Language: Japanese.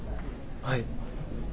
はい。